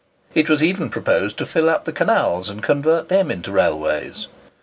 It was even proposed to fill up the canals, and convert them into railways.